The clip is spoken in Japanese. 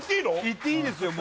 いっていいですよ